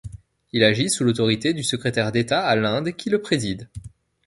Il agit sous l'autorité du secrétaire d'État à l'Inde, qui le préside.